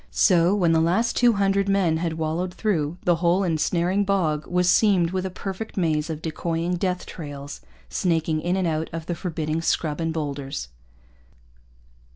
So, when the last two hundred men had wallowed through, the whole ensnaring bog was seamed with a perfect maze of decoying death trails snaking in and out of the forbidding scrub and boulders.